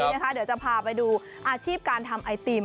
เดี๋ยวจะพาไปดูอาชีพการทำไอติม